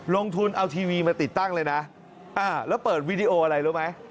ลงทุนเอาทีวีมาติดตั้งเลยนะแล้วเปิดวีดีโออะไรรู้ไหม